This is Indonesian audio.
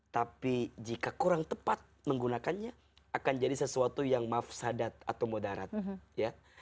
tapi jika kurang tepat menggunakannya akan jadi sesuatu yang mafsadat atau modarat ya